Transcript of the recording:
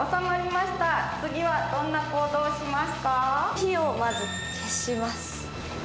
火をまず消します。